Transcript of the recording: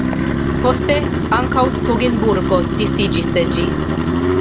Poste ankaŭ Togenburgo disiĝis de ĝi.